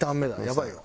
やばいよ。